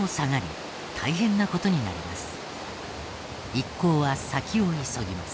一行は先を急ぎます。